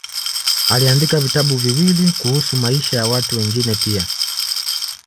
Aliandika vitabu viwili kuhusu maisha ya watu wengine pia.